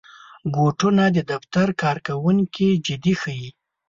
بوټونه د دفتر کارکوونکي جدي ښيي.